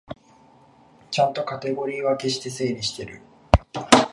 ちゃんとカテゴリー分けして整理してる